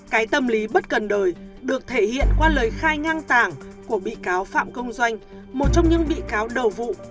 cái tâm lý bất cần đời được thể hiện qua lời khai ngang tàng của bị cáo phạm công doanh một trong những bị cáo đầu vụ